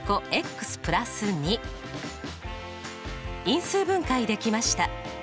因数分解できました。